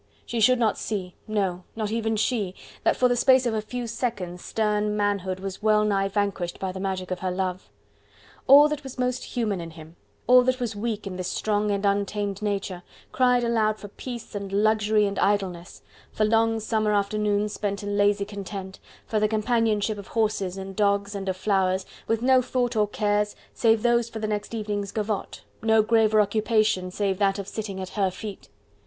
She should not see no, not even she! that for the space of a few seconds stern manhood was well nigh vanquished by the magic of her love. All that was most human in him, all that was weak in this strong and untamed nature, cried aloud for peace and luxury and idleness: for long summer afternoons spent in lazy content, for the companionship of horses and dogs and of flowers, with no thought or cares save those for the next evening's gavotte, no graver occupation save that of sitting at HER feet.